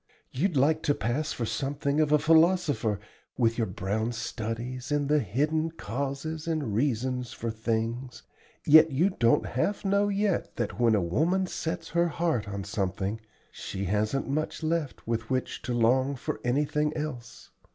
You'd like to pass for something of a philosopher, with your brown studies into the hidden causes and reasons for things, yet you don't half know yet that when a woman sets her heart on something, she hasn't much left with which to long for anything else.